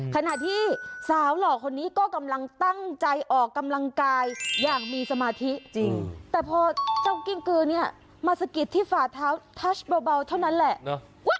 ขณะที่สาวหล่อคนนี้ก็กำลังตั้งใจออกกำลังกายอย่างมีสมาธิจริงแต่พอเจ้ากิ้งกือเนี่ยมาสะกิดที่ฝาเท้าทัชเบาเท่านั้นแหละ